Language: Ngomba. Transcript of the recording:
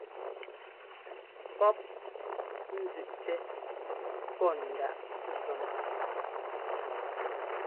Pɔ́p nzẅíꞌtɛ pɔ́ ndaꞌ zɔ́n.